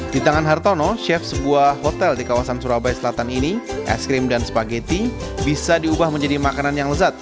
di tangan hartono chef sebuah hotel di kawasan surabaya selatan ini es krim dan spageti bisa diubah menjadi makanan yang lezat